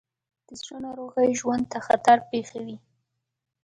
د زړه ناروغۍ ژوند ته خطر پېښوي.